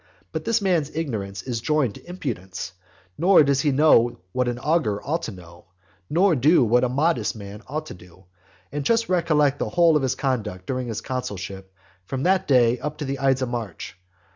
But this man's ignorance is joined to impudence, nor does he know what an augur ought to know, nor do what a modest man ought to do. And just recollect the whole of his conduct during his consulship from that day up to the ides of March.